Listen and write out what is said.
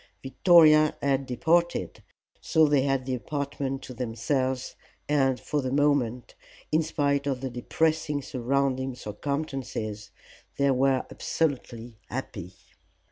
Victoria had departed, so they had the apartment to themselves, and for the moment, in spite of the depressing surrounding circumstances, they were absolutely happy.